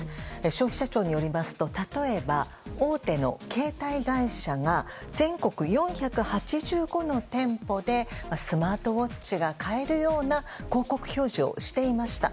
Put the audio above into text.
消費者庁によりますと例えば大手の携帯会社が全国４８５の店舗でスマートウォッチが買えるような広告表示をしていました。